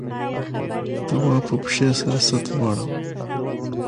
تواب په پښې سطل واړاوه.